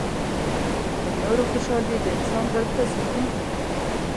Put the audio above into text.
• د نورو خوشحالي د انسان زړۀ ته سکون ورکوي.